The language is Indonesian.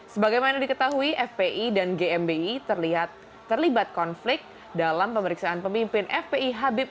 sebagai mana diketahui fpi dan gmbi terlihat terlibat konflik dalam pemeriksaan pemimpin fpi